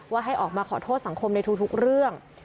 ให้ออกมาขอโทษสังคมในทุกเรื่อง